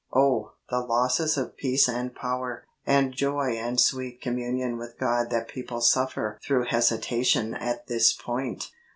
Oh, the losses of peace and power, and joy and sweet communion with God that people suffer through hesitation at this point